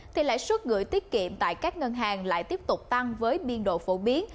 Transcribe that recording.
thì lãi suất gửi tiết kiệm tại các ngân hàng lại tiếp tục tăng với biên độ phổ biến